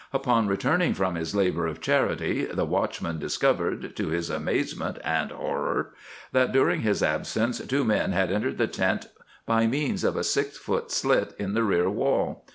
Upon returning from this labor of charity the watchman discovered, to his amazement and horror, that during his absence two men had entered the tent by means of a six foot slit in the rear wall.